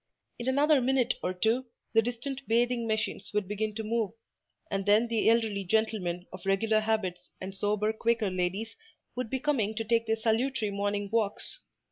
In another minute or two, the distant bathing machines would begin to move, and then the elderly gentlemen of regular habits and sober quaker ladies would be coming to take their salutary morning walks.